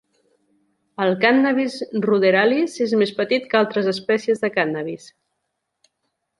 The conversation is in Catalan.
El "Cannabis ruderalis" és més petit que altres espècies de "Cannabis.